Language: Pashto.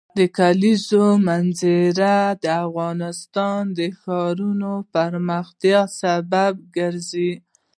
د کلیزو منظره د افغانستان د ښاري پراختیا سبب کېږي.